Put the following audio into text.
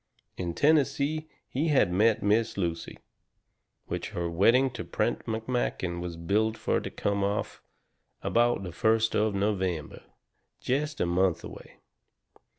In Tennessee he had met Miss Lucy. Which her wedding to Prent McMakin was billed fur to come off about the first of November, jest a month away.